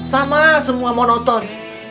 sama semua monoton